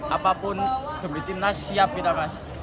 apapun demi timnas siap kita mas